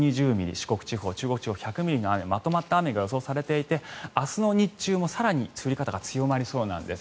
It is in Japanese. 四国地方中国地方、１００ミリの雨まとまった雨が予想されていて明日の日中も更に降り方が強まりそうなんです。